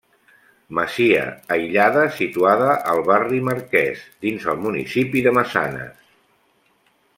Masia aïllada situada al barri Marquès, dins el municipi de Massanes.